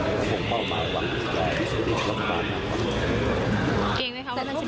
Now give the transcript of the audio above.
มีผมเป้าหมายอยู่หวังของติดตายวิทยาลัยะรัฐพรรภาพ